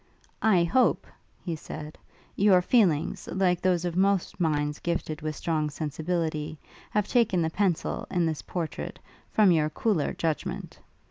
'I hope,' he said, 'your feelings, like those of most minds gifted with strong sensibility, have taken the pencil, in this portrait, from your cooler judgment?